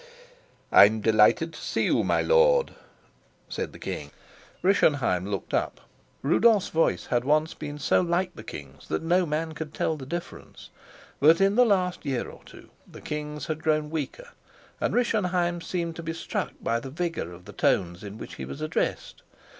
"I'm delighted to see you, my lord," said the king. Rischenheim looked up. Rudolf's voice had once been so like the king's that no man could tell the difference, but in the last year or two the king's had grown weaker, and Rischenheim seemed to be struck by the vigor of the tones in which he was addressed.